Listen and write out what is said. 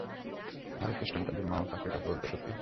আরে কেষ্ট মুখার্জির মাও তাঁকে এটা বলতো, - সত্যিই?